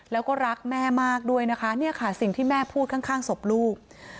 แล้วก็รักแม่มากด้วยนะคะเนี่ยค่ะสิ่งที่แม่พูดข้างศพลูก